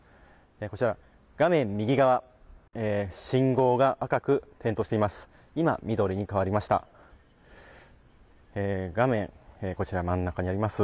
こちら、画面右側、信号が赤く点灯しています。